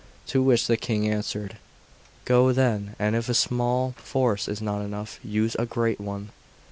To which the King answered: "Go, then, and if a small force is not enough, use a great one."